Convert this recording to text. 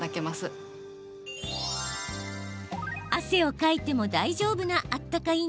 汗をかいても大丈夫なあったか